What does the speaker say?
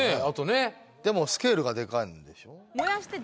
あとねでもスケールがデカいんでしょ？